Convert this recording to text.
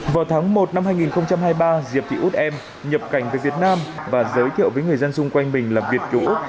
vào tháng một năm hai nghìn hai mươi ba diệp thị út em nhập cảnh về việt nam và giới thiệu với người dân xung quanh mình là việt kiều